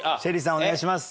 お願いします。